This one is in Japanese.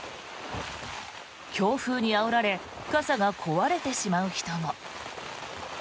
強風にあおられ傘が壊れてしまう人も。